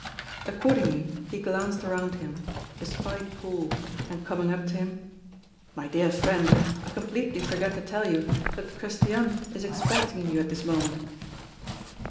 Accordingly he glanced around him, espied Paul, and coming up to him: "My dear friend, I completely forgot to tell you that Christiane is expecting you at this moment."